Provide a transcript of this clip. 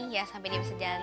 ya sampai dia bisa jalan